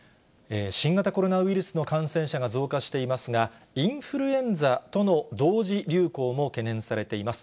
新型コロナウイルスの感染者が増加していますが、インフルエンザとの同時流行も懸念されています。